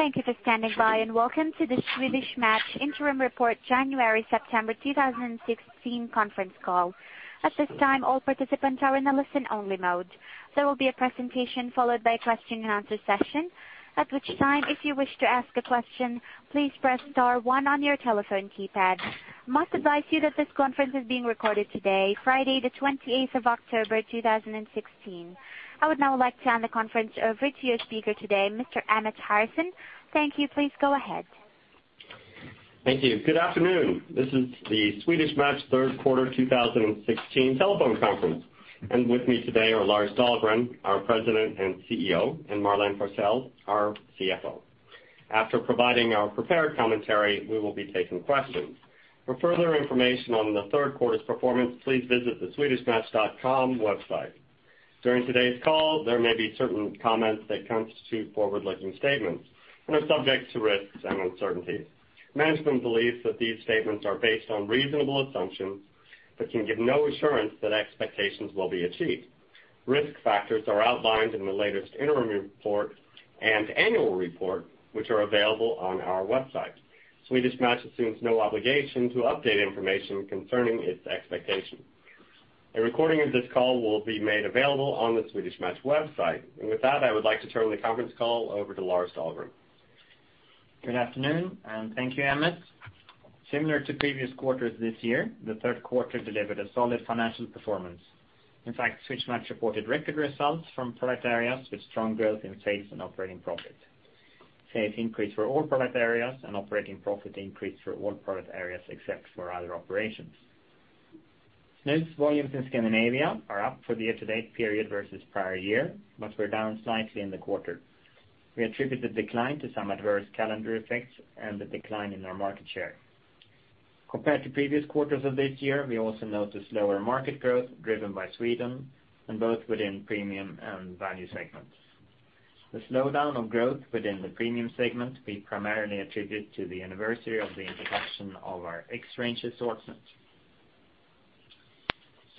Thank you for standing by, and welcome to the Swedish Match Interim Report January-September 2016 conference call. At this time, all participants are in a listen-only mode. There will be a presentation followed by a question and answer session. At which time, if you wish to ask a question, please press star one on your telephone keypad. Must advise you that this conference is being recorded today, Friday the 28th of October, 2016. I would now like to hand the conference over to your speaker today, Mr. Emmett Harrison. Thank you. Please go ahead. Thank you. Good afternoon. This is the Swedish Match third quarter 2016 telephone conference. With me today are Lars Dahlgren, our President and CEO, and Marlene Forsell, our CFO. After providing our prepared commentary, we will be taking questions. For further information on the third quarter's performance, please visit the swedishmatch.com website. During today's call, there may be certain comments that constitute forward-looking statements and are subject to risks and uncertainties. Management believes that these statements are based on reasonable assumptions, but can give no assurance that expectations will be achieved. Risk factors are outlined in the latest interim report and annual report, which are available on our website. Swedish Match assumes no obligation to update information concerning its expectation. A recording of this call will be made available on the Swedish Match website. With that, I would like to turn the conference call over to Lars Dahlgren. Good afternoon. Thank you, Emmett. Similar to previous quarters this year, the third quarter delivered a solid financial performance. In fact, Swedish Match reported record results from product areas with strong growth in sales and operating profit. Sales increased for all product areas and operating profit increased for all product areas except for other operations. Snus volumes in Scandinavia are up for the year-to-date period versus prior year, but were down slightly in the quarter. We attribute the decline to some adverse calendar effects and the decline in our market share. Compared to previous quarters of this year, we also note a slower market growth driven by Sweden and both within premium and value segments. The slowdown of growth within the premium segment, we primarily attribute to the anniversary of the introduction of our XRANGE assortment.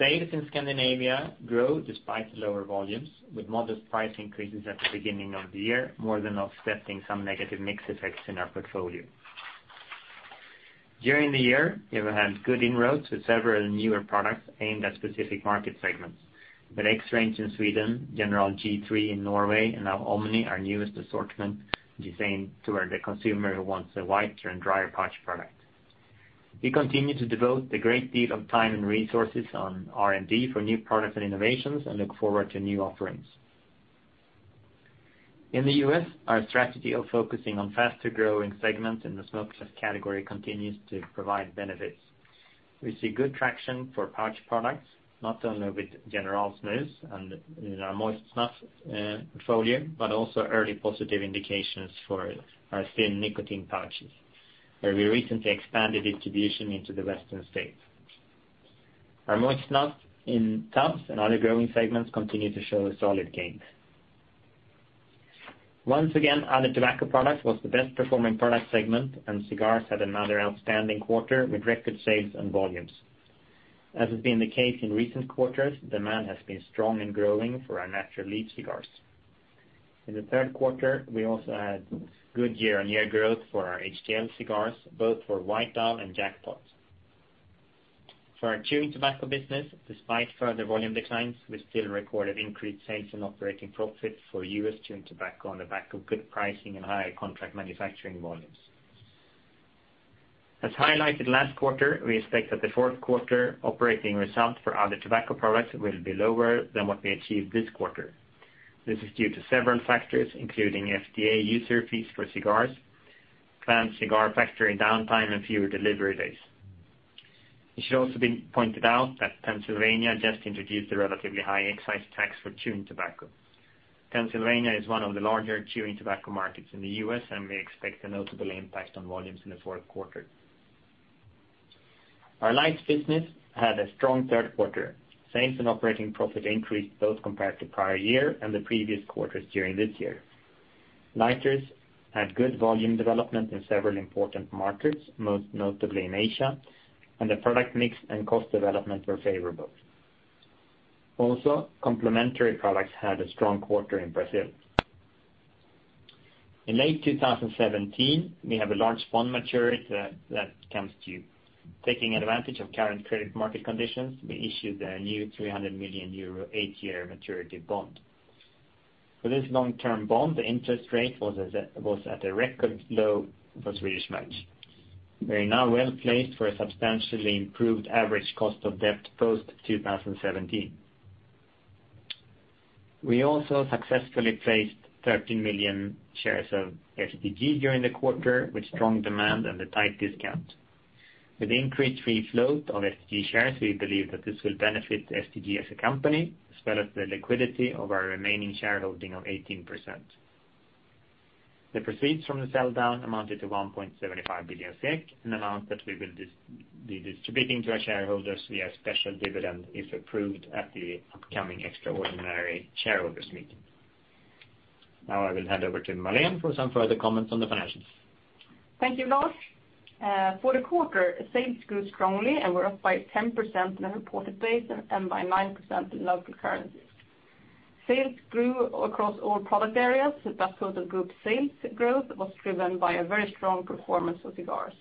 Sales in Scandinavia grow despite lower volumes, with modest price increases at the beginning of the year, more than offsetting some negative mix effects in our portfolio. During the year, we have had good inroads with several newer products aimed at specific market segments. With XRANGE in Sweden, General G.3 in Norway, and now Omni, our newest assortment, which is aimed toward the consumer who wants a whiter and drier pouch product. We continue to devote a great deal of time and resources on R&D for new products and innovations and look forward to new offerings. In the U.S., our strategy of focusing on faster-growing segments in the smoke-free category continues to provide benefits. We see good traction for pouch products, not only with General Snus and in our moist snuff portfolio, but also early positive indications for our thin nicotine pouches, where we recently expanded distribution into the western states. Our moist snuff in tubs and other growing segments continue to show a solid gain. Once again, Other Tobacco Products was the best performing product segment, and cigars had another outstanding quarter with record sales and volumes. As has been the case in recent quarters, demand has been strong and growing for our natural leaf cigars. In the third quarter, we also had good year-on-year growth for our HTL cigars, both for White Owl and Jackpot. For our chewing tobacco business, despite further volume declines, we still recorded increased sales and operating profits for U.S. chewing tobacco on the back of good pricing and higher contract manufacturing volumes. As highlighted last quarter, we expect that the fourth quarter operating results for Other Tobacco Products will be lower than what we achieved this quarter. This is due to several factors, including FDA user fees for cigars, planned cigar factory downtime, and fewer delivery days. It should also be pointed out that Pennsylvania just introduced a relatively high excise tax for chewing tobacco. Pennsylvania is one of the larger chewing tobacco markets in the U.S., and we expect a notable impact on volumes in the fourth quarter. Our lights business had a strong third quarter. Sales and operating profit increased both compared to prior year and the previous quarters during this year. Lighters had good volume development in several important markets, most notably in Asia, and the product mix and cost development were favorable. Also, complementary products had a strong quarter in Brazil. In late 2017, we have a large bond maturity that comes due. Taking advantage of current credit market conditions, we issued a new 300 million euro, eight-year maturity bond. For this long-term bond, the interest rate was at a record low for Swedish Match. We are now well-placed for a substantially improved average cost of debt post-2017. We also successfully placed 13 million shares of STG during the quarter with strong demand and a tight discount. With increased free float of STG shares, we believe that this will benefit STG as a company, as well as the liquidity of our remaining shareholding of 18%. The proceeds from the sell-down amounted to 1.75 billion SEK, an amount that we will be distributing to our shareholders via a special dividend if approved at the upcoming extraordinary shareholders meeting. Now I will hand over to Marlene for some further comments on the financials. Thank you, Lars. For the quarter, sales grew strongly and were up by 10% on a reported basis and by 9% in local currency. Sales grew across all product areas, thus total group sales growth was driven by a very strong performance of cigars.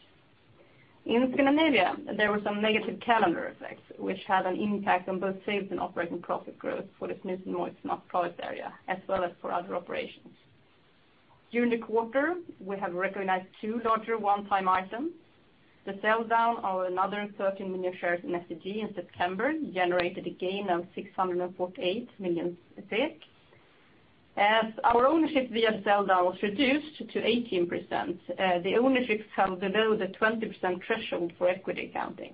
In Scandinavia, there were some negative calendar effects, which had an impact on both sales and operating profit growth for the snus and moist snuff product area, as well as for other operations. During the quarter, we have recognized two larger one-time items. The sell-down of another 13 million shares in STG in September generated a gain of 648 million SEK. As our ownership via sell-down was reduced to 18%, the ownership fell below the 20% threshold for equity accounting.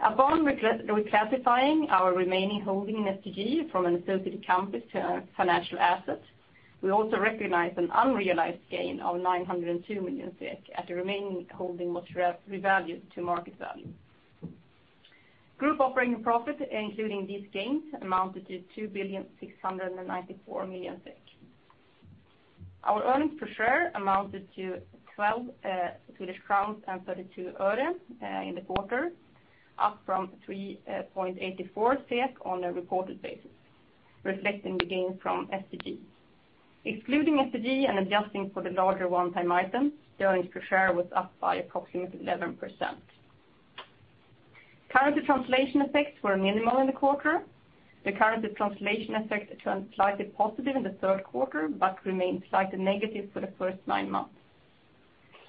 Upon reclassifying our remaining holding in STG from an associated company to a financial asset, we also recognized an unrealized gain of 902 million SEK as the remaining holding was revalued to market value. Group operating profit, including these gains, amounted to 2,694,000,000 SEK. Our earnings per share amounted to 12.32 Swedish crowns in the quarter, up from 3.84 SEK on a reported basis, reflecting the gain from STG. Excluding STG and adjusting for the larger one-time item, the earnings per share was up by approximately 11%. Currency translation effects were minimal in the quarter. The currency translation effect turned slightly positive in the third quarter, but remained slightly negative for the first nine months.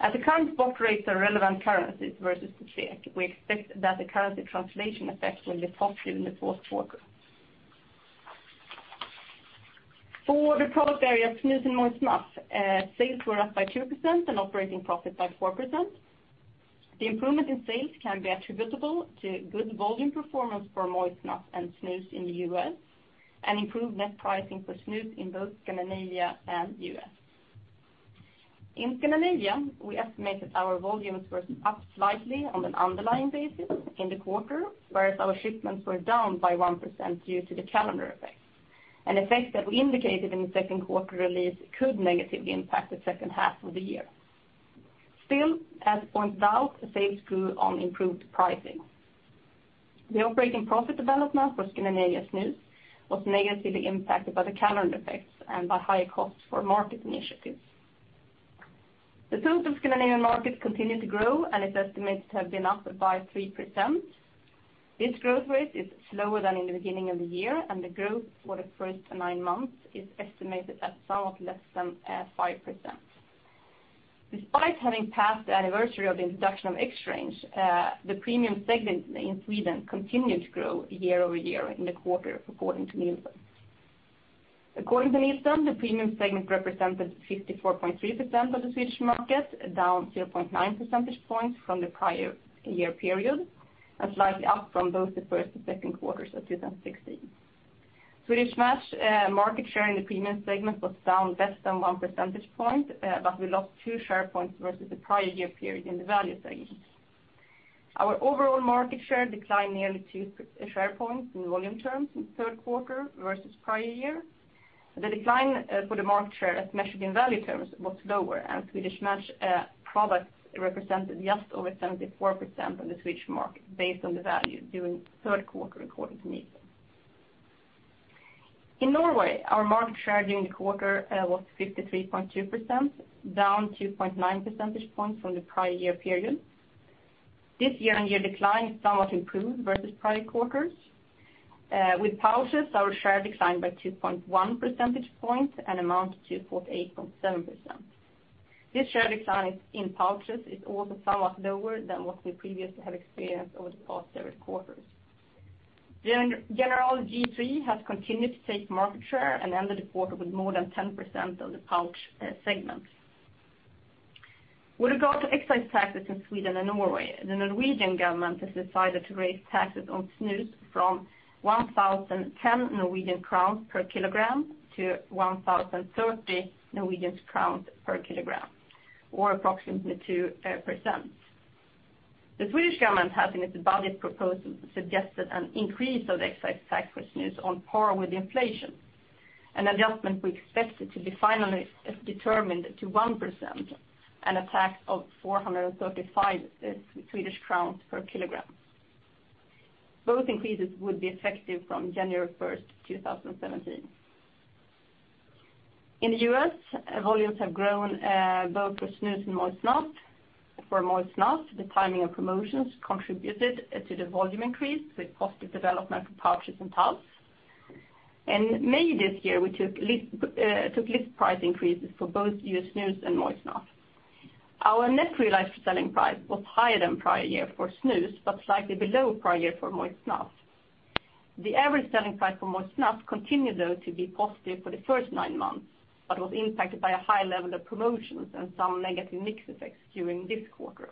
At the current spot rates of relevant currencies versus the SEK, we expect that the currency translation effect will be positive in the fourth quarter. For the product area snus and moist snuff, sales were up by 2% and operating profit by 4%. The improvement in sales can be attributable to good volume performance for moist snuff and snus in the U.S., and improved net pricing for snus in both Scandinavia and U.S. In Scandinavia, we estimated our volumes were up slightly on an underlying basis in the quarter, whereas our shipments were down by 1% due to the calendar effect. An effect that we indicated in the second quarter release could negatively impact the second half of the year. Still, as pointed out, sales grew on improved pricing. The operating profit development for Scandinavia snus was negatively impacted by the calendar effects and by higher costs for market initiatives. The total Scandinavian market continued to grow, and it's estimated to have been up by 3%. This growth rate is slower than in the beginning of the year, and the growth for the first nine months is estimated at somewhat less than 5%. Despite having passed the anniversary of the introduction of XRANGE, the premium segment in Sweden continued to grow year-over-year in the quarter, according to Nielsen. According to Nielsen, the premium segment represented 54.3% of the Swedish market, down 0.9 percentage points from the prior year period and slightly up from both the first and second quarters of 2016. Swedish Match market share in the premium segment was down less than one percentage point, but we lost two share points versus the prior year period in the value segment. Our overall market share declined nearly two share points in volume terms in the third quarter versus prior year. The decline for the market share as measured in value terms was lower, as Swedish Match products represented just over 74% of the Swedish market based on the value during the third quarter, according to Nielsen. In Norway, our market share during the quarter was 53.2%, down 2.9 percentage points from the prior year period. This year-on-year decline somewhat improved versus prior quarters. With pouches, our share declined by 2.1 percentage points and amounted to 48.7%. This share decline in pouches is also somewhat lower than what we previously have experienced over the past several quarters. General G.3 has continued to take market share and ended the quarter with more than 10% of the pouch segment. With regard to excise taxes in Sweden and Norway, the Norwegian government has decided to raise taxes on snus from 1,010 Norwegian crowns per kilogram to 1,030 Norwegian crowns per kilogram, or approximately 2%. The Swedish government has, in its budget proposal, suggested an increase of excise tax for snus on par with inflation. An adjustment we expected to be finally determined to 1%, and a tax of 435 Swedish crowns per kilogram. Both increases would be effective from January 1st, 2017. In the U.S., volumes have grown both for snus and moist snuff. For moist snuff, the timing of promotions contributed to the volume increase with positive development for pouches and tubs. In May this year, we took lift price increases for both U.S. snus and moist snuff. Our net realized selling price was higher than prior year for snus, but slightly below prior year for moist snuff. The average selling price for moist snuff continued, though, to be positive for the first nine months, but was impacted by a high level of promotions and some negative mix effects during this quarter.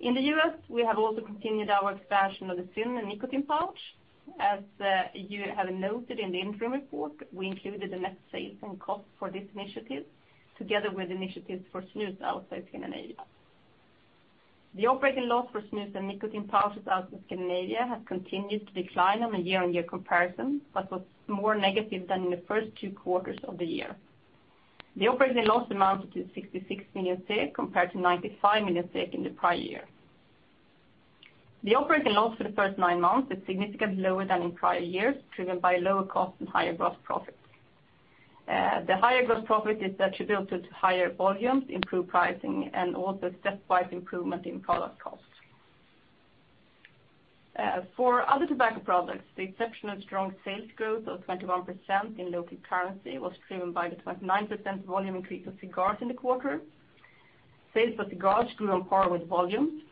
In the U.S., we have also continued our expansion of the ZYN nicotine pouch. As you have noted in the interim report, we included the net sales and cost for this initiative, together with initiatives for snus outside Scandinavia. The operating loss for snus and nicotine pouches out of Scandinavia has continued to decline on a year-on-year comparison, but was more negative than in the first two quarters of the year. The operating loss amounted to 66 million, compared to 95 million in the prior year. The operating loss for the first nine months is significantly lower than in prior years, driven by lower costs and higher gross profits. The higher gross profit is attributable to higher volumes, improved pricing, and also stepwise improvement in product costs. For other tobacco products, the exceptionally strong sales growth of 21% in local currency was driven by the 29% volume increase of cigars in the quarter. Sales for cigars grew on par with volume.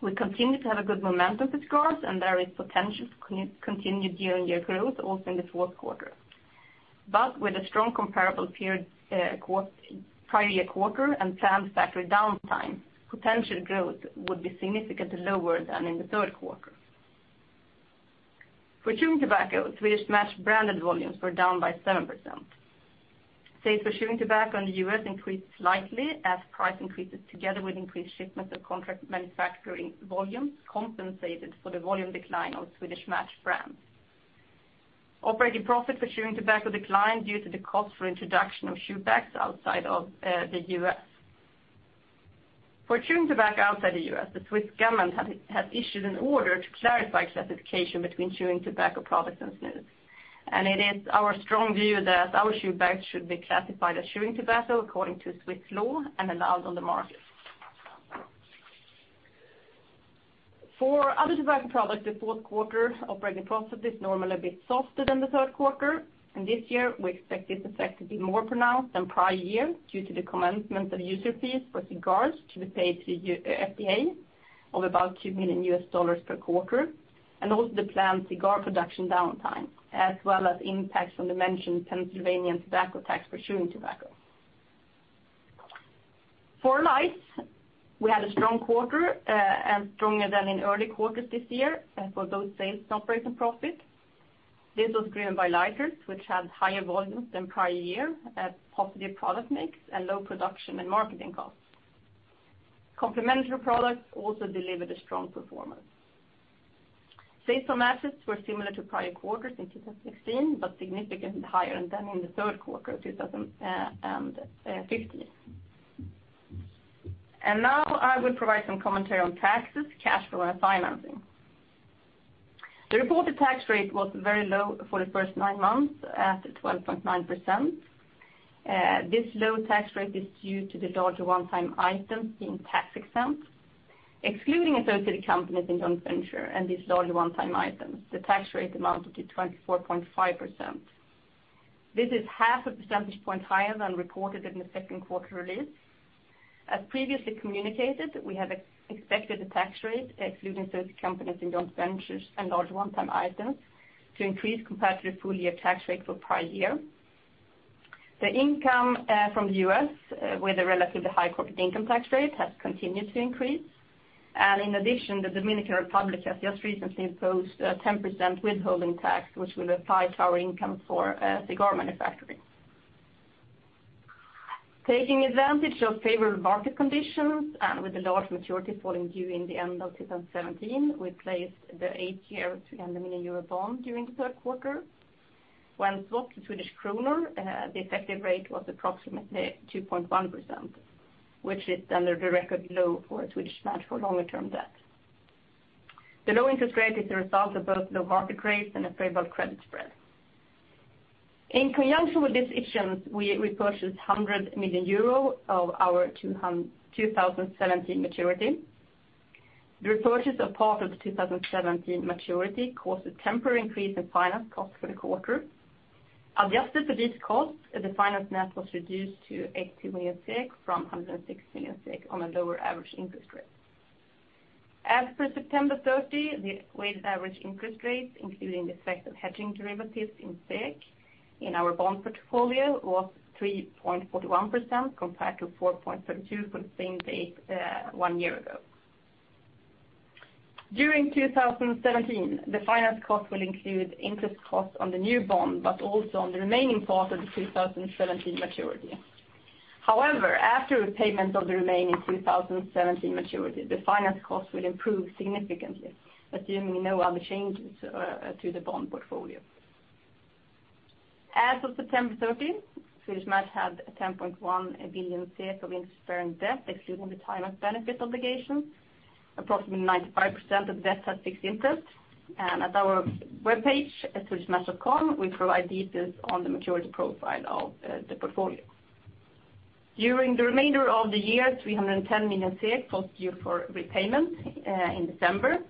We continue to have a good momentum for cigars, and there is potential for continued year-on-year growth also in the fourth quarter. With a strong comparable prior year quarter and planned factory downtime, potential growth would be significantly lower than in the third quarter. For chewing tobacco, Swedish Match branded volumes were down by 7%. Sales for chewing tobacco in the U.S. increased slightly as price increases together with increased shipments of contract manufacturing volumes compensated for the volume decline of Swedish Match brands. Operating profit for chewing tobacco declined due to the cost for introduction of chew bags outside of the U.S. For chewing tobacco outside the U.S., the Swiss government has issued an order to clarify classification between chewing tobacco products and snus. It is our strong view that our chew bags should be classified as chewing tobacco, according to Swiss law, and allowed on the market. For other tobacco products, the fourth quarter operating profit is normally a bit softer than the third quarter, and this year we expect this effect to be more pronounced than prior year, due to the commencement of user fees for cigars to be paid to the FDA of about $2 million per quarter. Also the planned cigar production downtime, as well as impacts from the mentioned Pennsylvania tobacco tax for chewing tobacco. For lights, we had a strong quarter, and stronger than in early quarters this year for both sales and operating profit. This was driven by lighters, which had higher volumes than prior year at positive product mix and low production and marketing costs. Complementary products also delivered a strong performance. Sales from assets were similar to prior quarters in 2016, but significantly higher than in the third quarter of 2015. Now I will provide some commentary on taxes, cash flow, and financing. The reported tax rate was very low for the first nine months at 12.9%. This low tax rate is due to the larger one-time item being tax-exempt. Excluding associated companies and joint venture and this larger one-time item, the tax rate amounted to 24.5%. This is half a percentage point higher than reported in the second quarter release. As previously communicated, we have expected the tax rate, excluding those companies in joint ventures and large one-time items, to increase compared to the full-year tax rate for prior year. The income from the U.S., with a relatively high corporate income tax rate, has continued to increase. In addition, the Dominican Republic has just recently imposed a 10% withholding tax, which will apply to our income for cigar manufacturing. Taking advantage of favorable market conditions and with the large maturity falling due in the end of 2017, we placed the eight-year 300 million euro bond during the third quarter. When swapped to SEK, the effective rate was approximately 2.1%, which is under the record low for Swedish Match for longer-term debt. The low interest rate is a result of both low market rates and a favorable credit spread. In conjunction with these issuance, we repurchased 100 million euro of our 2017 maturity. The repurchase of part of the 2017 maturity caused a temporary increase in finance cost for the quarter. Adjusted for this cost, the finance net was reduced to 80 million SEK from 106 million SEK on a lower average interest rate. As for September 30, the weighted average interest rates, including the effect of hedging derivatives in SEK in our bond portfolio was 3.41%, compared to 4.32% for the same date one year ago. During 2017, the finance cost will include interest costs on the new bond, but also on the remaining part of the 2017 maturity. However, after repayment of the remaining 2017 maturity, the finance cost will improve significantly, assuming no other changes to the bond portfolio. As of September 30, Swedish Match had 10.1 billion of interest-bearing debt, excluding the tie-up benefit obligation. Approximately 95% of the debt had fixed interest, and at our webpage at swedishmatch.com, we provide details on the maturity profile of the portfolio. During the remainder of the year, 310 million falls due for repayment in December.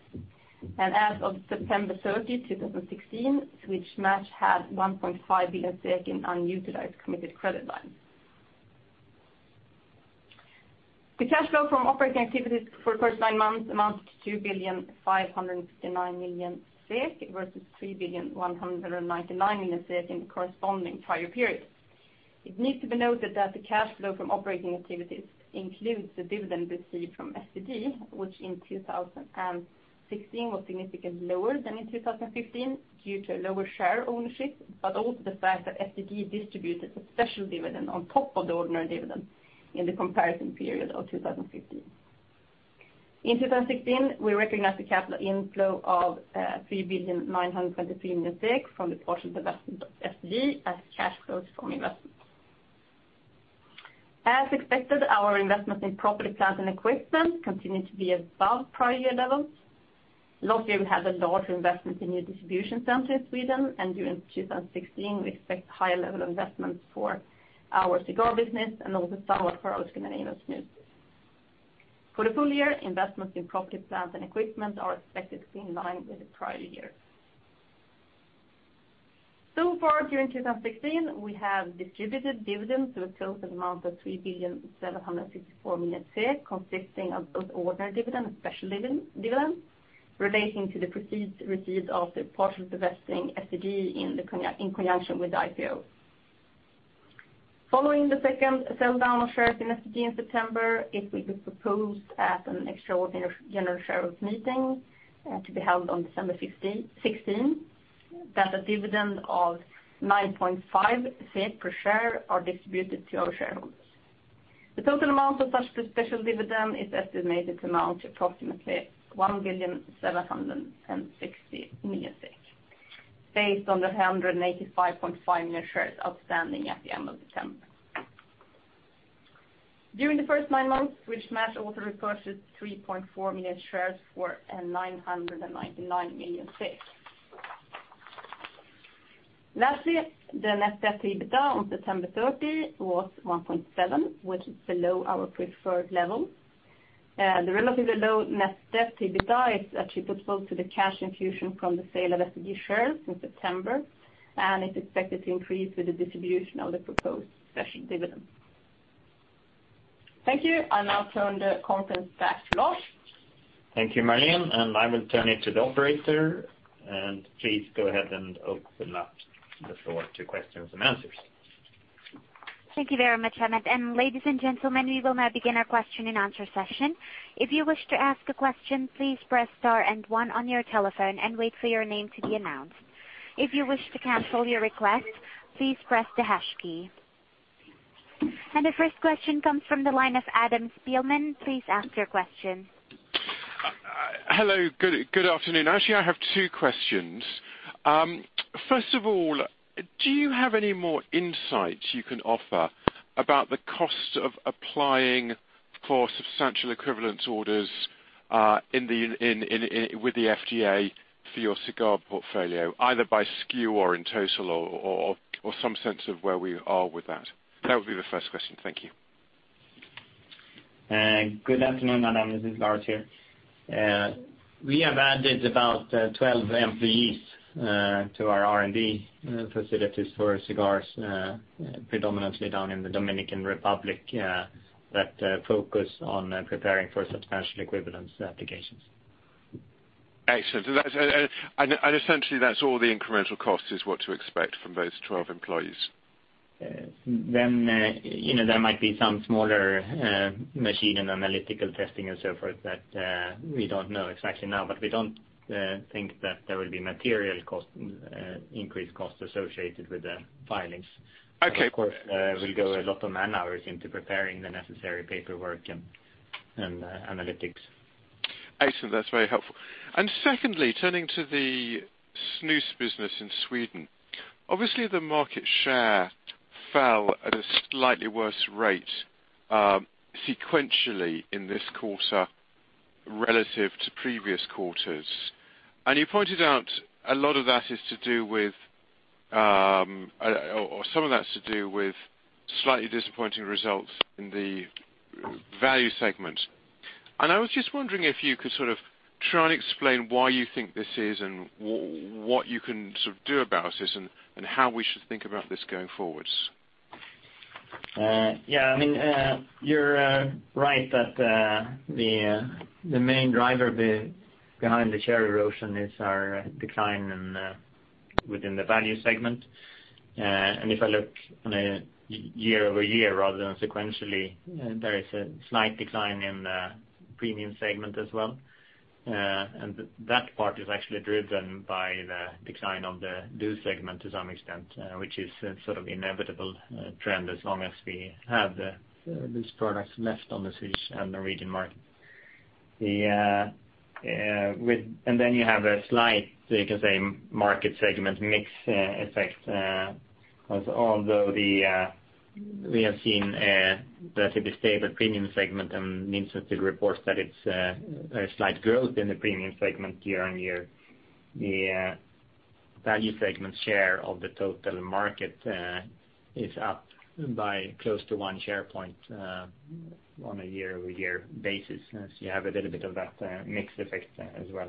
As of September 30, 2016, Swedish Match had 1.5 billion in unutilized committed credit lines. The cash flow from operating activities for the first nine months amounted to 2,559,000,000 SEK versus 3,199,000,000 SEK in the corresponding prior period. It needs to be noted that the cash flow from operating activities includes the dividend received from STG, which in 2016 was significantly lower than in 2015 due to lower share ownership, but also the fact that STG distributed a special dividend on top of the ordinary dividend in the comparison period of 2015. In 2016, we recognized the capital inflow of 3,923,000,000 from the partial divestment of STG as cash flows from investments. As expected, our investment in property, plant, and equipment continued to be above prior year levels. Last year, we had a large investment in new distribution centers in Sweden. During 2016, we expect high-level investments for our cigar business and also our Swedish and Norwegian snus. For the full year, investments in property, plant, and equipment are expected to be in line with the prior year. So far during 2016, we have distributed dividends to a total amount of 3,764,000,000, consisting of both ordinary dividend and special dividend, relating to the proceeds received of the partial divesting STG in conjunction with the IPO. Following the second sell-down of shares in STG in September, it will be proposed at an extraordinary general shareholders meeting to be held on December 16 that a dividend of 9.5 per share are distributed to our shareholders. The total amount of such special dividend is estimated to amount approximately 1,760,000,000, based on the 185.5 million shares outstanding at the end of September. During the first nine months, Swedish Match also repurchased 3.4 million shares for 999 million. Lastly, the net debt to EBITDA on September 30 was 1.7, which is below our preferred level. The relatively low net debt to EBITDA is attributable to the cash infusion from the sale of STG shares in September and is expected to increase with the distribution of the proposed special dividend. Thank you. I'll now turn the conference back to Lars. Thank you, Marlene. I will turn it to the operator. Please go ahead and open up the floor to questions and answers. Thank you very much, Emmett. Ladies and gentlemen, we will now begin our question and answer session. If you wish to ask a question, please press star and one on your telephone and wait for your name to be announced. If you wish to cancel your request, please press the hash key. The first question comes from the line of Adam Spielman. Please ask your question. Hello. Good afternoon. Actually, I have two questions. First of all, do you have any more insights you can offer about the cost of applying for substantial equivalence orders with the FDA for your cigar portfolio, either by SKU or in total or some sense of where we are with that? That would be the first question. Thank you. Good afternoon, Adam. This is Lars here. We have added about 12 employees to our R&D facilities for cigars predominantly down in the Dominican Republic that focus on preparing for substantial equivalence applications. Excellent. Essentially that's all the incremental cost is what to expect from those 12 employees? There might be some smaller machine and analytical testing and so forth that we don't know exactly now, but we don't think that there will be material increased costs associated with the filings. Okay. Of course, will go a lot of man-hours into preparing the necessary paperwork and analytics. Excellent. That's very helpful. Secondly, turning to the snus business in Sweden. Obviously, the market share fell at a slightly worse rate sequentially in this quarter relative to previous quarters. You pointed out a lot of that is to do with, or some of that's to do with slightly disappointing results in the value segment. I was just wondering if you could sort of try and explain why you think this is and what you can do about this and how we should think about this going forwards. You're right that the main driver behind the share erosion is our decline within the value segment. If I look on a year-over-year rather than sequentially, there is a slight decline in the premium segment as well. That part is actually driven by the decline of the loose segment to some extent, which is a sort of inevitable trend as long as we have these products left on the Swedish and Norwegian market. Then you have a slight, you could say, market segment mix effect although we have seen a relatively stable premium segment and Nielsen reports that it's a slight growth in the premium segment year-on-year. The value segment share of the total market is up by close to one share point on a year-over-year basis. You have a little bit of that mix effect as well.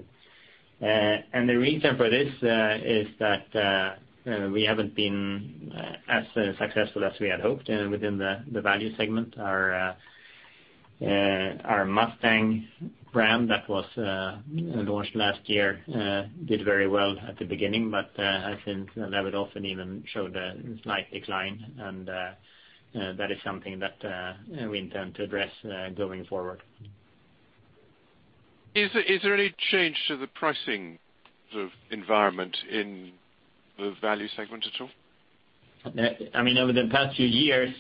The reason for this is that we haven't been as successful as we had hoped within the value segment. Our Mustang brand that was launched last year did very well at the beginning, but has since leveled off and even showed a slight decline and that is something that we intend to address going forward. Is there any change to the pricing sort of environment in the value segment at all? Over the past few years,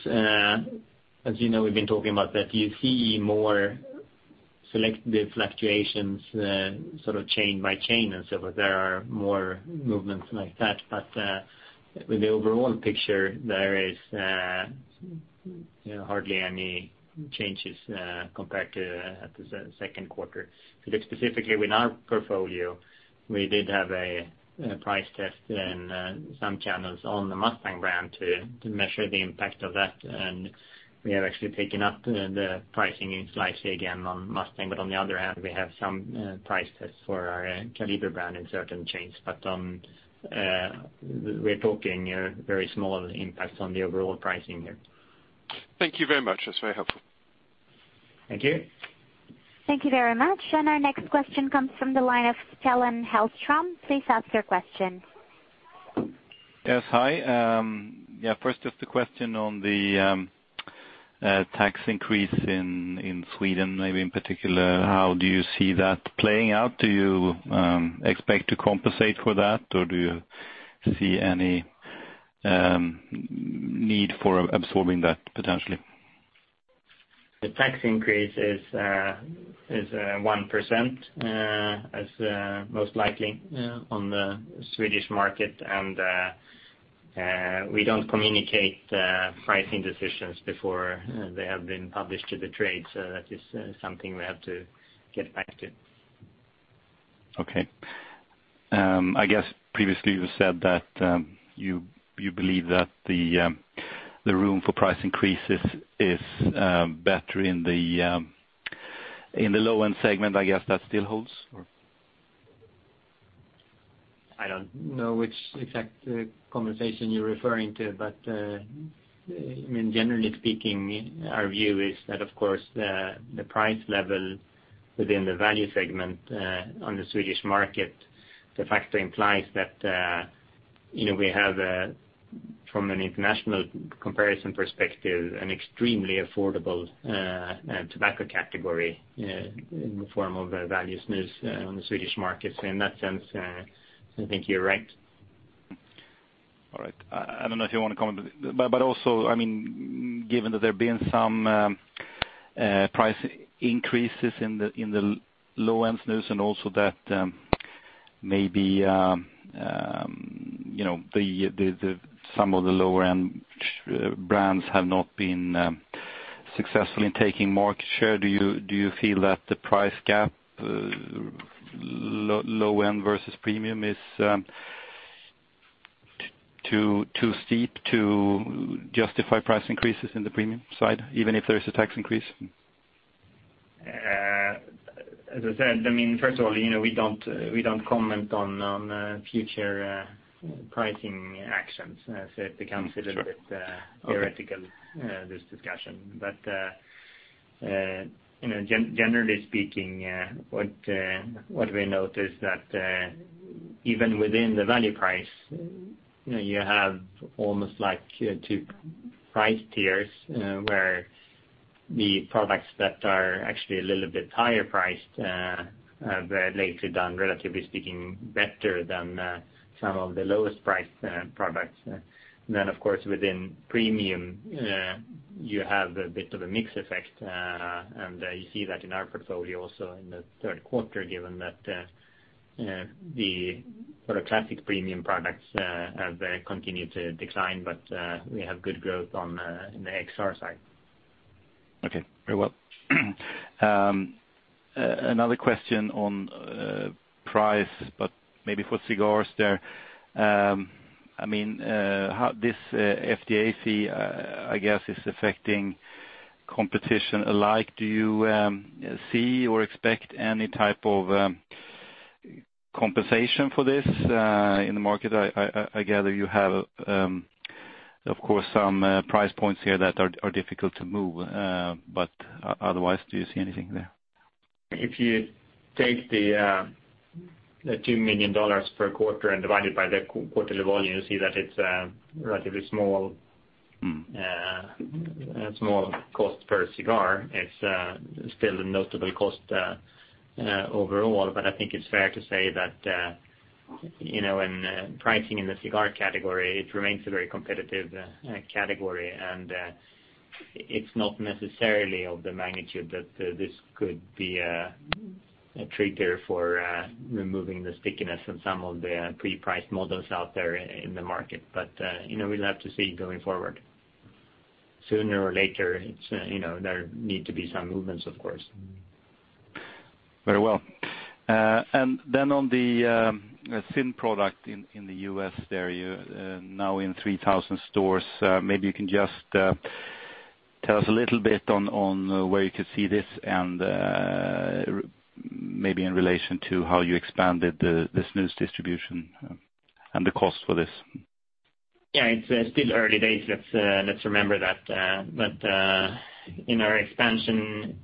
as you know, we've been talking about that you see more selective fluctuations, chain by chain and so forth. There are more movements like that. With the overall picture, there is hardly any changes compared to the second quarter. Specifically with our portfolio, we did have a price test in some channels on the Mustang brand to measure the impact of that. We have actually taken up the pricing slightly again on Mustang, on the other hand, we have some price tests for our Kaliber brand in certain chains. We're talking very small impacts on the overall pricing here. Thank you very much. That's very helpful. Thank you. Thank you very much. Our next question comes from the line of Kellen Halstrom. Please ask your question. Yes. Hi. First, just a question on the tax increase in Sweden, maybe in particular. How do you see that playing out? Do you expect to compensate for that, or do you see any need for absorbing that potentially? The tax increase is 1%, as most likely on the Swedish market. We don't communicate pricing decisions before they have been published to the trade. That is something we have to get back to. Okay. I guess previously you said that you believe that the room for price increases is better in the low-end segment. I guess that still holds, or? I don't know which exact conversation you're referring to. Generally speaking, our view is that, of course, the price level within the value segment on the Swedish market, de facto implies that we have, from an international comparison perspective, an extremely affordable tobacco category in the form of value snus on the Swedish market. In that sense, I think you're right. All right. I don't know if you want to comment. Also, given that there have been some price increases in the low-end snus and also that maybe some of the lower-end brands have not been successful in taking market share, do you feel that the price gap, low-end versus premium, is too steep to justify price increases in the premium side, even if there is a tax increase? As I said, first of all, we don't comment on future pricing actions. It becomes a little bit theoretical, this discussion. Generally speaking, what we noticed that even within the value price, you have almost 2 price tiers where the products that are actually a little bit higher priced have lately done, relatively speaking, better than some of the lowest priced products. Of course, within premium, you have a bit of a mix effect. You see that in our portfolio also in the third quarter, given that the classic premium products have continued to decline. We have good growth on the XR side. Okay. Very well. Another question on price. Maybe for cigars there. This FDAC, I guess, is affecting competition alike. Do you see or expect any type of compensation for this in the market? I gather you have, of course, some price points here that are difficult to move. Otherwise, do you see anything there? If you take the $2 million per quarter and divide it by the quarterly volume, you see that it is a relatively small cost per cigar. It is still a notable cost overall. I think it is fair to say that in pricing in the cigar category, it remains a very competitive category, and it is not necessarily of the magnitude that this could be a trigger for removing the stickiness of some of the pre-priced models out there in the market. We will have to see going forward. Sooner or later, there need to be some movements, of course. Very well. On the ZYN product in the U.S. there, you are now in 3,000 stores. Maybe you can just tell us a little bit on where you could see this and maybe in relation to how you expanded the snus distribution and the cost for this. It is still early days. Let us remember that. In our expansion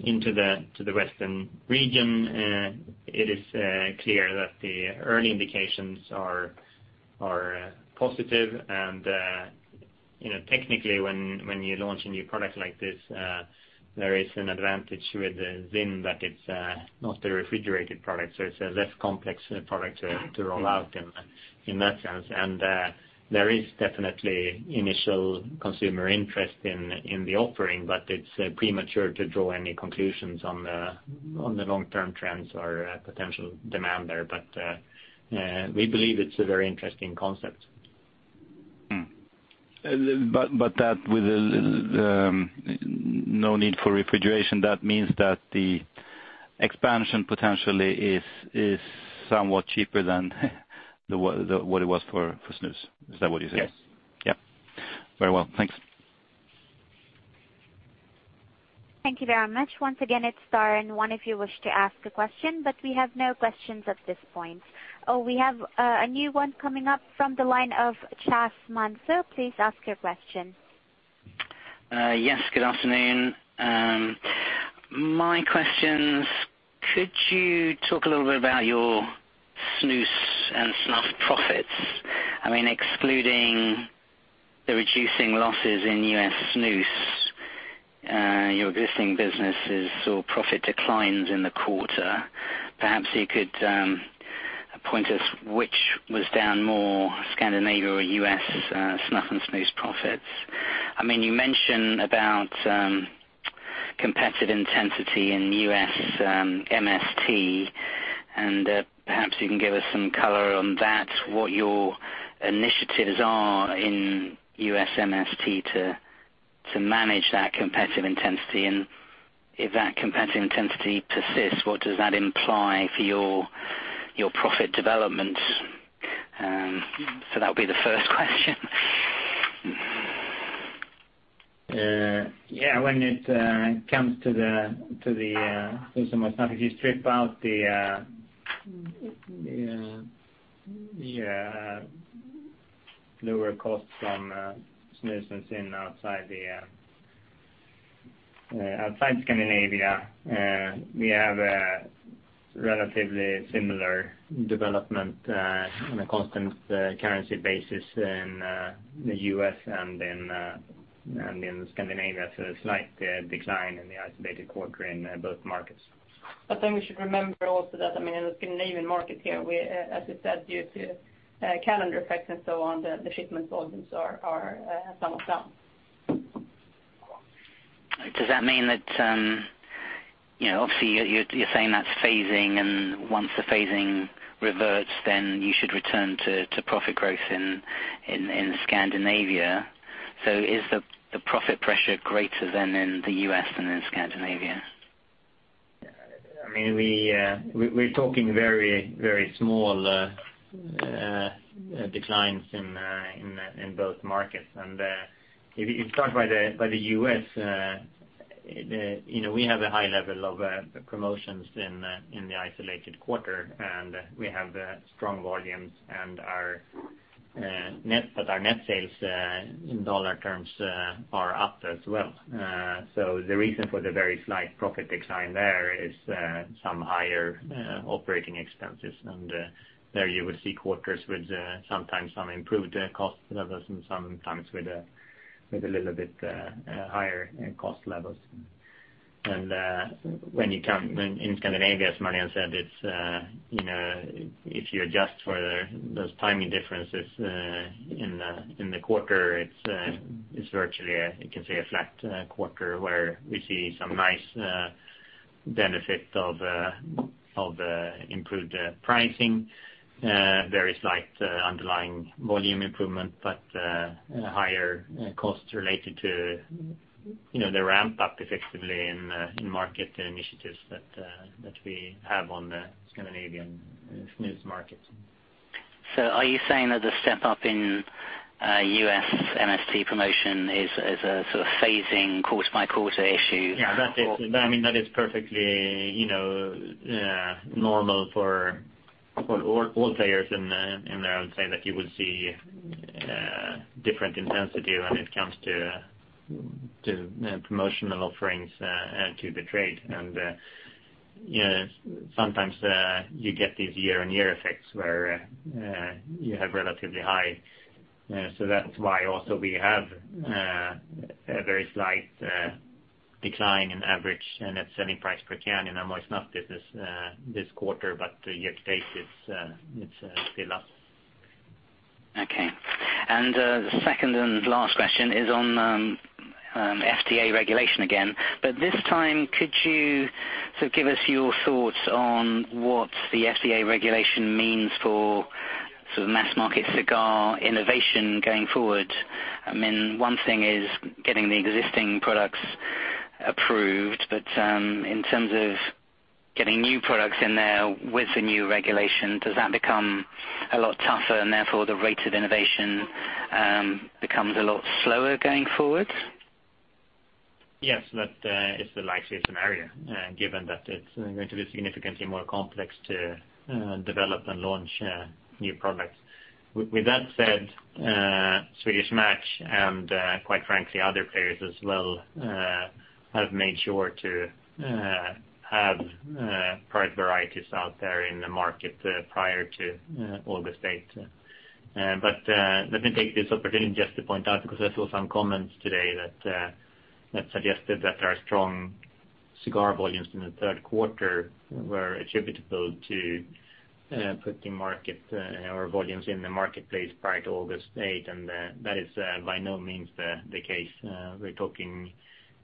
into the Western region, it is clear that the early indications are positive and Technically, when you launch a new product like this, there is an advantage with ZYN that it is not a refrigerated product, so it is a less complex product to roll out in that sense. There is definitely initial consumer interest in the offering, but it is premature to draw any conclusions on the long-term trends or potential demand there. We believe it is a very interesting concept. That with no need for refrigeration, that means that the expansion potentially is somewhat cheaper than what it was for snus. Is that what you are saying? Yes. Yeah. Very well. Thanks. Thank you very much. Once again, it's star one if you wish to ask a question. We have no questions at this point. Oh, we have a new one coming up from the line of Chas Mansur. Please ask your question. Yes, good afternoon. My questions, could you talk a little bit about your snus and snuff profits? I mean, excluding the reducing losses in U.S. snus, your existing businesses saw profit declines in the quarter. Perhaps you could point us which was down more, Scandinavia or U.S. snuff and snus profits. You mentioned about competitive intensity in U.S. MST, and perhaps you can give us some color on that, what your initiatives are in U.S. MST to manage that competitive intensity. If that competitive intensity persists, what does that imply for your profit development? That would be the first question. Yeah, when it comes to the moist snuff, if you strip out the lower cost from snus and ZYN outside Scandinavia, we have a relatively similar development on a constant currency basis in the U.S. and in Scandinavia, so a slight decline in the isolated quarter in both markets. We should remember also that, in the Scandinavian market here, as we said, due to calendar effects and so on, the shipment volumes are somewhat down. Does that mean that, obviously you're saying that's phasing and once the phasing reverts, then you should return to profit growth in Scandinavia. Is the profit pressure greater than in the U.S. than in Scandinavia? We're talking very small declines in both markets. If you start by the U.S., we have a high level of promotions in the isolated quarter, and we have strong volumes, but our net sales in $ terms are up as well. The reason for the very slight profit decline there is some higher operating expenses. There you will see quarters with sometimes some improved cost levels and sometimes with a little bit higher cost levels. When you come in Scandinavia, as Marlene said, if you adjust for those timing differences in the quarter, it's virtually a, you can say, a flat quarter where we see some nice benefit of improved pricing, very slight underlying volume improvement, but higher costs related to the ramp-up effectively in market initiatives that we have on the Scandinavian snus market. Are you saying that the step up in U.S. MST promotion is a sort of phasing quarter-by-quarter issue? Yeah. That is perfectly normal for all players in there. I would say that you would see different intensity when it comes to promotional offerings to the trade. Sometimes you get these year-on-year effects where you have relatively high. That's why also we have a very slight decline in average net selling price per can in our moist snuff business this quarter, but year-to-date it's still up. Okay. The second and last question is on FDA regulation again. This time, could you give us your thoughts on what the FDA regulation means for mass-market cigar innovation going forward? One thing is getting the existing products approved, but in terms of getting new products in there with the new regulation, does that become a lot tougher and therefore the rate of innovation becomes a lot slower going forward? Yes, that is the likeliest scenario, given that it's going to be significantly more complex to develop and launch new products. With that said, Swedish Match and quite frankly, other players as well have made sure to have product varieties out there in the market prior to August 8th. Let me take this opportunity just to point out, because I saw some comments today that suggested that our strong cigar volumes in the third quarter were attributable to putting our volumes in the marketplace prior to August 8th, and that is by no means the case. We're talking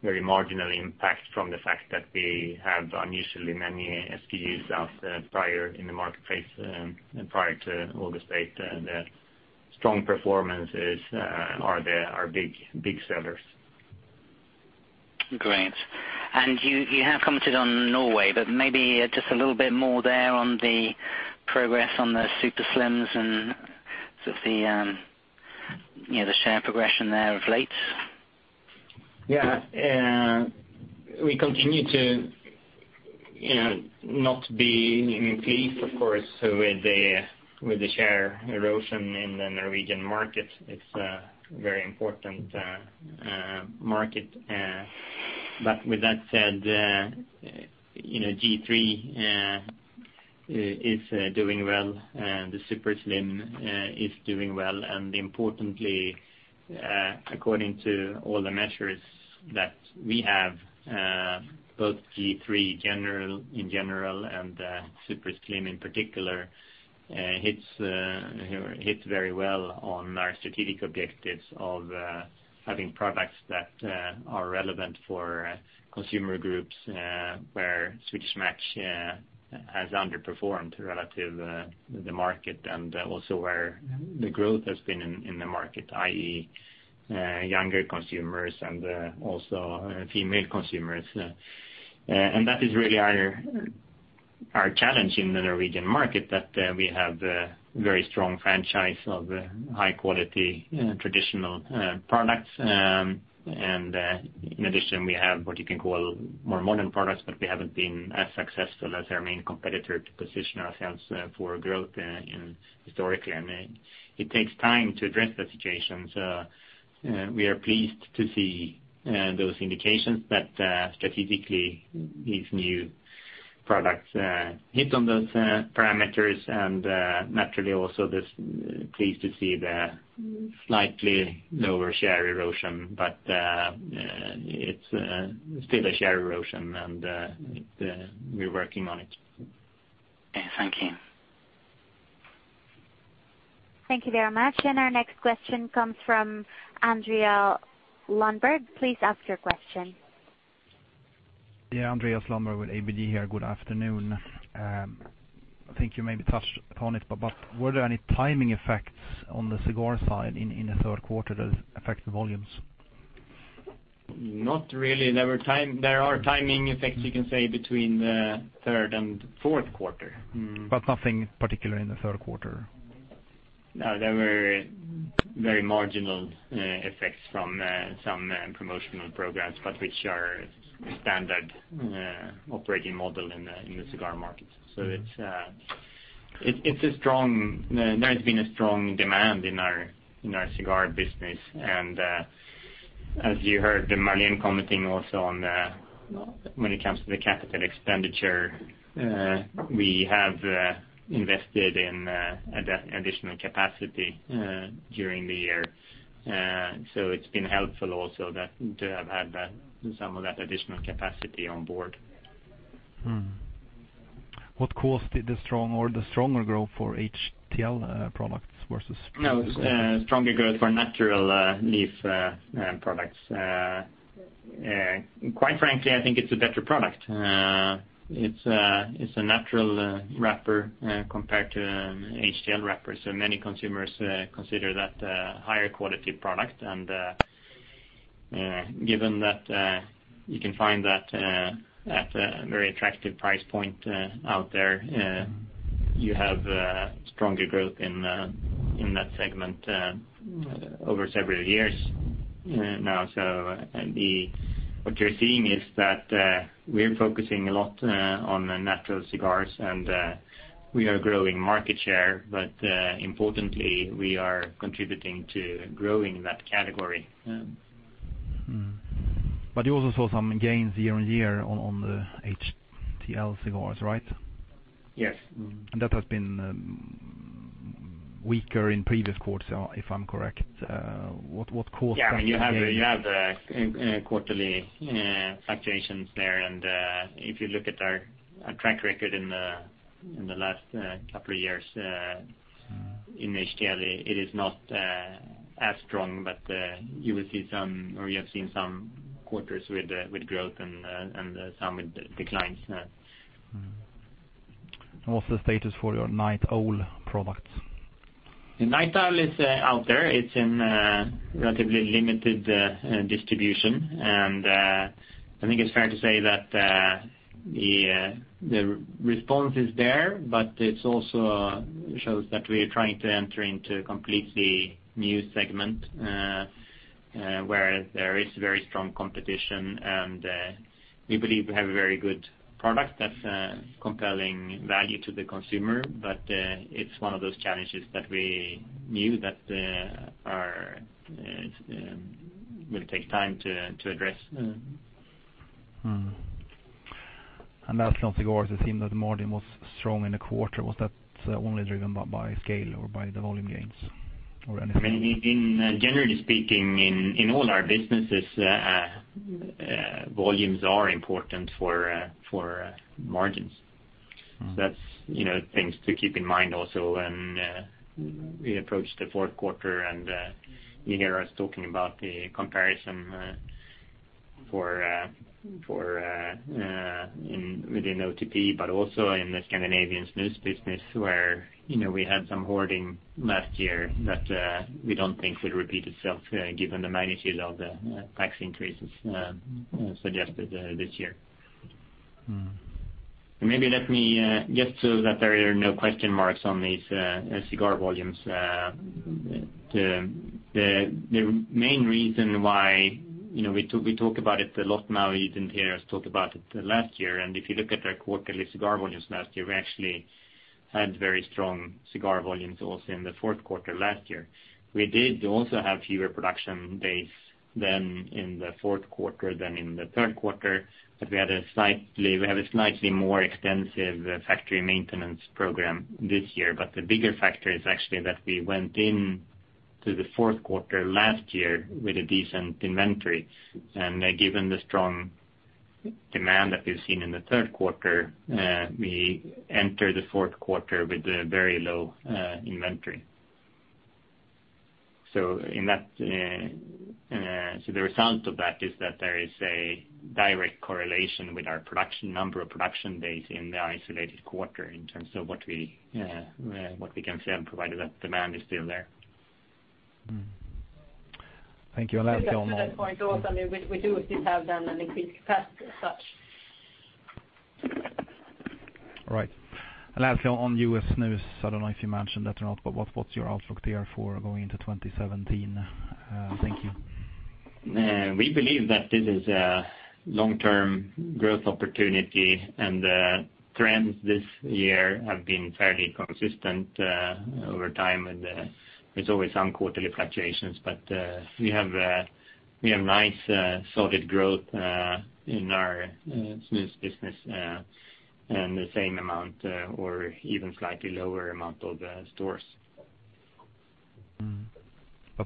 very marginal impact from the fact that we have unusually many SKUs out prior in the marketplace, and prior to August 8th. The strong performances are big sellers. Great. You have commented on Norway, maybe just a little bit more there on the progress on the Super Slims and sort of the share progression there of late. Yeah. We continue to not be pleased, of course, with the share erosion in the Norwegian market. It is a very important market. With that said, G.3 is doing well and the Super Slim is doing well. Importantly, according to all the measures that we have, both G.3 in general and Super Slim in particular hits very well on our strategic objectives of having products that are relevant for consumer groups, where Swedish Match has underperformed relative to the market and also where the growth has been in the market, i.e., younger consumers and also female consumers. That is really our challenge in the Norwegian market, that we have a very strong franchise of high-quality traditional products. In addition, we have what you can call more modern products, but we have not been as successful as our main competitor to position ourselves for growth historically. It takes time to address that situation. We are pleased to see those indications that strategically these new products hit on those parameters. Naturally also just pleased to see the slightly lower share erosion, but it is still a share erosion and we are working on it. Thank you. Thank you very much. Our next question comes from Andreas Lundberg. Please ask your question. Yeah. Andreas Lundberg with ABG here. Good afternoon. I think you maybe touched upon it, but were there any timing effects on the cigar side in the third quarter that affect the volumes? Not really. There are timing effects, you can say, between the third and fourth quarter. Nothing particular in the third quarter? No. There were very marginal effects from some promotional programs, but which are standard operating model in the cigar market. There has been a strong demand in our cigar business. As you heard Marlene commenting also on when it comes to the capital expenditure, we have invested in additional capacity during the year. It's been helpful also to have had some of that additional capacity on board. What caused it, the strong or the stronger growth for HTL products versus? No. Stronger growth for natural leaf products. Quite frankly, I think it's a better product. It's a natural wrapper compared to HTL wrappers. Many consumers consider that a higher quality product. Given that you can find that at a very attractive price point out there, you have stronger growth in that segment over several years now. What you're seeing is that we're focusing a lot on the natural cigars and we are growing market share. Importantly, we are contributing to growing that category. You also saw some gains year-on-year on the HTL cigars, right? Yes. That has been weaker in previous quarters, if I'm correct. What caused that gain? Yeah. You have quarterly fluctuations there. If you look at our track record in the last couple of years in HTL, it is not as strong. You have seen some quarters with growth and some with declines. What's the status for your Night Owl products? The Night Owl is out there. It's in relatively limited distribution. I think it's fair to say that the response is there, it also shows that we are trying to enter into a completely new segment, where there is very strong competition. We believe we have a very good product that's compelling value to the consumer, it's one of those challenges that we knew that will take time to address. Mm-hmm. That's [not the core of the theme that margin] was strong in the quarter. Was that only driven by scale or by the volume gains or anything? Generally speaking, in all our businesses, volumes are important for margins. That's things to keep in mind also when we approach the fourth quarter and you hear us talking about the comparison within OTP, also in the Scandinavian snus business where we had some hoarding last year that we don't think will repeat itself given the magnitude of the tax increases suggested this year. Maybe let me, just so that there are no question marks on these cigar volumes. The main reason why, we talk about it a lot now, you didn't hear us talk about it last year. If you look at our quarterly cigar volumes last year, we actually had very strong cigar volumes also in the fourth quarter last year. We did also have fewer production days than in the fourth quarter than in the third quarter, we have a slightly more extensive factory maintenance program this year. The bigger factor is actually that we went in to the fourth quarter last year with a decent inventory. Given the strong demand that we've seen in the third quarter, we enter the fourth quarter with a very low inventory. The result of that is that there is a direct correlation with our number of production days in the isolated quarter in terms of what we can sell, provided that demand is still there. Mm-hmm. Thank you. Lastly on- To that point also, we do still have then an increased capacity as such. Right. Lastly, on U.S. snus, I don't know if you mentioned that or not, what's your outlook there for going into 2017? Thank you. We believe that this is a long-term growth opportunity, and the trends this year have been fairly consistent over time, and there's always some quarterly fluctuations. We have nice, solid growth in our snus business, and the same amount or even slightly lower amount of stores. Mm-hmm.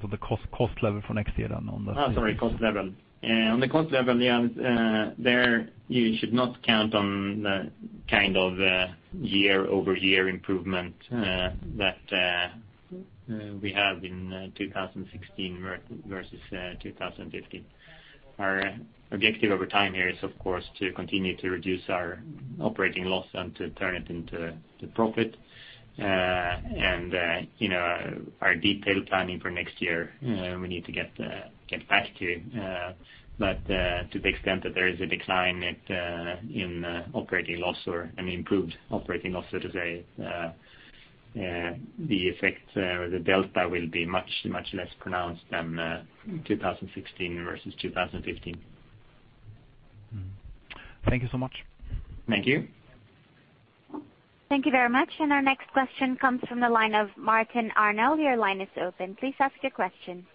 On the cost level for next year Oh, sorry, cost level. On the cost level, yeah, there you should not count on the kind of year-over-year improvement that we have in 2016 versus 2015. Our objective over time here is, of course, to continue to reduce our operating loss and to turn it into profit. Our detailed planning for next year, we need to get back to you. To the extent that there is a decline in operating loss or an improved operating loss, so to say, the effect or the delta will be much, much less pronounced than 2016 versus 2015. Mm-hmm. Thank you so much. Thank you. Thank you very much. Our next question comes from the line of Martin Arnell. Your line is open. Please ask your question.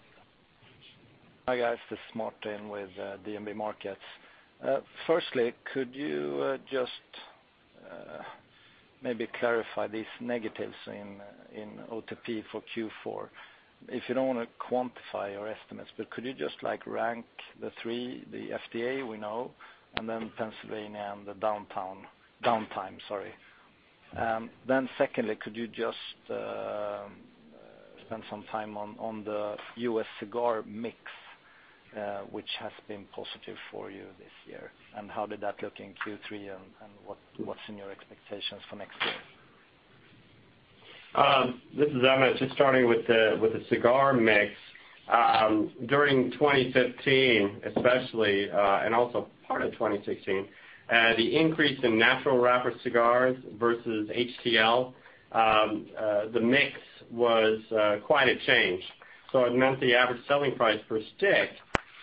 Hi, guys. This is Martin with DNB Markets. Firstly, could you just maybe clarify these negatives in OTP for Q4. If you don't want to quantify your estimates, but could you just rank the three, the FDA we know, and then Pennsylvania and the downtime. Secondly, could you just spend some time on the U.S. cigar mix, which has been positive for you this year, and how did that look in Q3, and what's in your expectations for next year? This is Emmett, just starting with the cigar mix. During 2015 especially, and also part of 2016, the increase in natural leaf cigars versus HTL, the mix was quite a change. It meant the average selling price per stick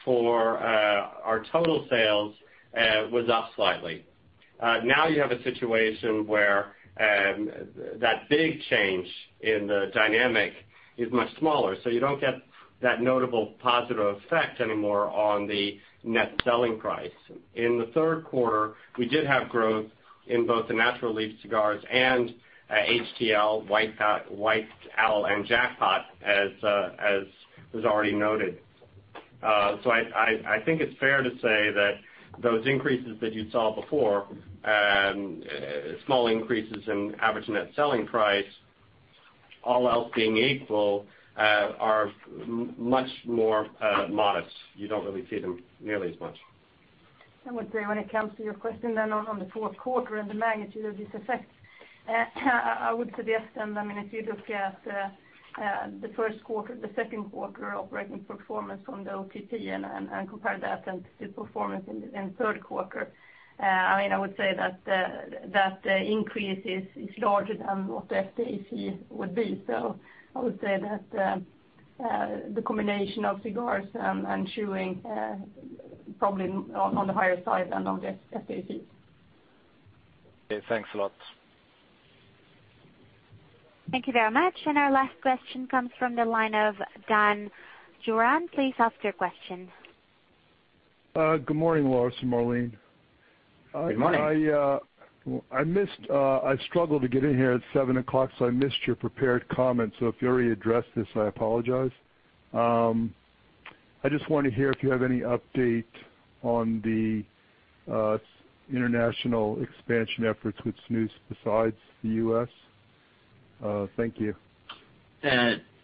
for our total sales was up slightly. Now you have a situation where that big change in the dynamic is much smaller, you don't get that notable positive effect anymore on the net selling price. In the third quarter, we did have growth in both the natural leaf cigars and HTL, White Owl, and Jackpot, as was already noted. I think it's fair to say that those increases that you saw before, small increases in average net selling price, all else being equal, are much more modest. You don't really see them nearly as much. I would say when it comes to your question then on the fourth quarter and the magnitude of this effect, I would suggest, if you look at the first quarter, the second quarter operating performance from the OTP and compare that to performance in third quarter, I would say that the increase is larger than what the FDAC would be. I would say that the combination of cigars and chewing, probably on the higher side than on the [SAP]. Okay. Thanks a lot. Thank you very much. Our last question comes from the line of Dan Juran. Please ask your question. Good morning, Lars and Marlene. Good morning. I struggled to get in here at 7:00 A.M., I missed your prepared comments. If you already addressed this, I apologize. I just want to hear if you have any update on the international expansion efforts with snus besides the U.S. Thank you.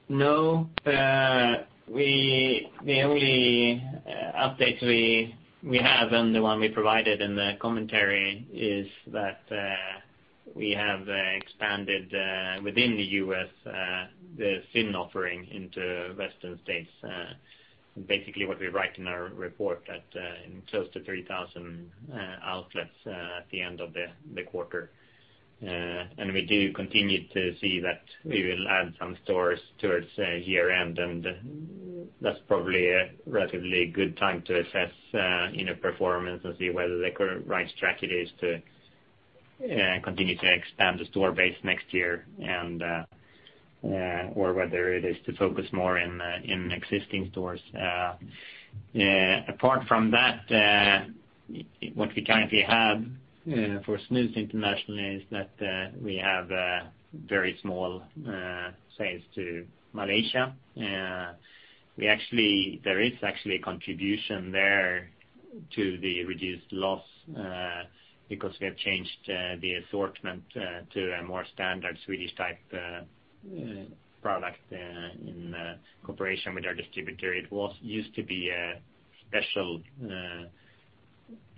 No. The only update we have and the one we provided in the commentary is that we have expanded within the U.S., the thin offering into Western states. Basically what we write in our report that in close to 3,000 outlets at the end of the quarter. We do continue to see that we will add some stores towards year-end, and that's probably a relatively good time to assess in a performance and see whether the current right track it is to continue to expand the store base next year or whether it is to focus more in existing stores. Apart from that, what we currently have for snus International is that, we have very small sales to Malaysia. There is actually a contribution there to the reduced loss, because we have changed the assortment to a more standard Swedish-type product in cooperation with our distributor. It used to be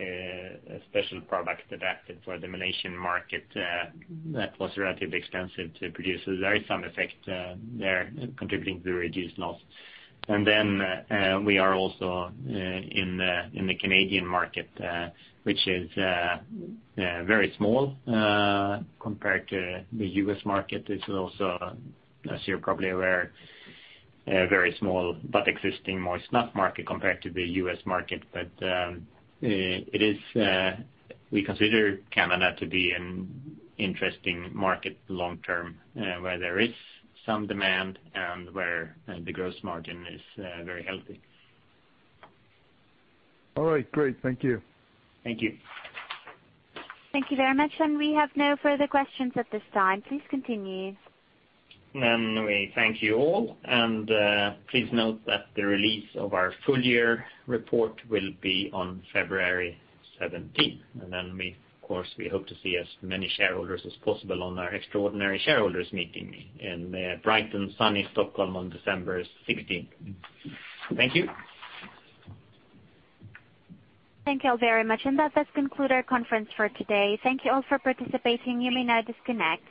a special product adapted for the Malaysian market that was relatively expensive to produce. There is some effect there contributing to the reduced loss. We are also in the Canadian market, which is very small compared to the U.S. market. It's also, as you're probably aware, a very small but existing moist snuff market compared to the U.S. market. We consider Canada to be an interesting market long term, where there is some demand and where the gross margin is very healthy. All right. Great. Thank you. Thank you. Thank you very much. We have no further questions at this time. Please continue. We thank you all, and please note that the release of our full year report will be on February 17th. Of course, we hope to see as many shareholders as possible on our extraordinary shareholders meeting in bright and sunny Stockholm on December 16th. Thank you. Thank you all very much. That does conclude our conference for today. Thank you all for participating. You may now disconnect.